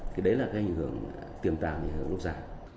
thì đấy là cái ảnh hưởng tiềm tàng về hợp đọc giả